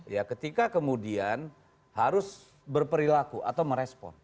ya ketika kemudian harus berperilaku atau merespon